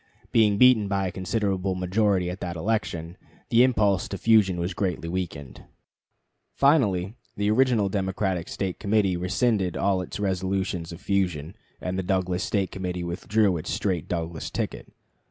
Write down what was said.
Being beaten by a considerable majority at that election, the impulse to fusion was greatly weakened. Finally, the original Democratic State Committee rescinded (October 12) all its resolutions of fusion, and the Douglas State Committee withdrew (October 18) its straight Douglas ticket.